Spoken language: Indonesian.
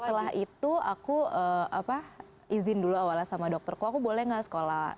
setelah itu aku izin dulu awalnya sama dokterku aku boleh gak sekolah